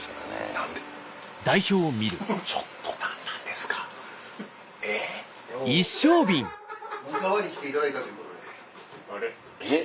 何でちょっと何なんですかえぇ？えっ？